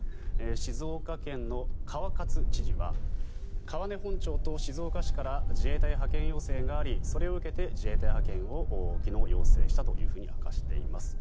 静岡県の川勝知事は川根本町と静岡市から自衛隊派遣要請がありそれを受けて自衛隊派遣を昨日、要請したと明かしています。